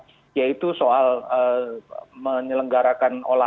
milih kami maksimal earthquake strike pada tahun ini